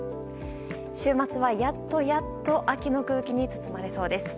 週末はやっとやっと秋の空気に包まれそうです。